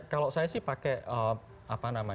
kalau saya sih pakai apa namanya